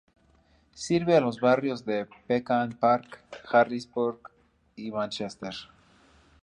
Sirve a los barrios de: Pecan Park, Harrisburg, y Manchester.